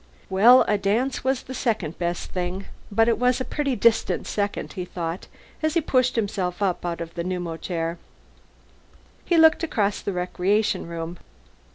Well, a dance was the second best thing. But it was a pretty distant second, he thought, as he pushed himself up out of the pneumochair. He looked across the recreation room.